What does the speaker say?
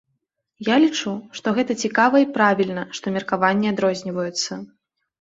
Я лічу, што гэта цікава і правільна, што меркаванні адрозніваюцца.